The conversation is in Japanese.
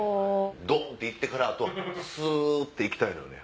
ドン！って行ってからあとはスって行きたいのよね。